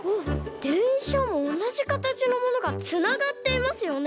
でんしゃもおなじかたちのものがつながっていますよね。